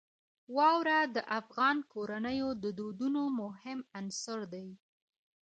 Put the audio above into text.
واوره د افغان کورنیو د دودونو مهم عنصر دی.